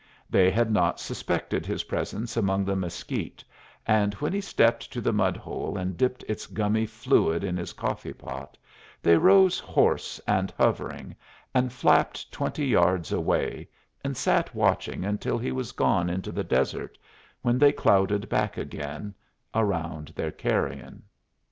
They had not suspected his presence among the mesquite, and when he stepped to the mud hole and dipped its gummy fluid in his coffee pot they rose hoarse and hovering, and flapped twenty yards away, and sat watching until he was gone into the desert, when they clouded back again round their carrion.